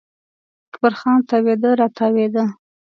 اکبر جان تاوېده را تاوېده.